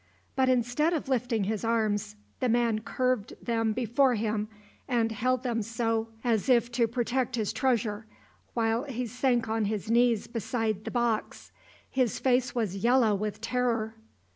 But instead of lifting his arms, the man curved them before him, and held them so, as if to protect his treasure, while he sank on his knees beside the box. His face was yellow with terror.